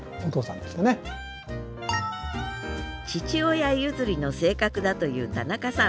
父親譲りの性格だという田中さん。